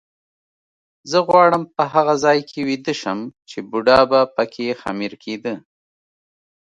زه غواړم په هغه ځای کې ویده شم چې بوډا به پکې خمیر کېده.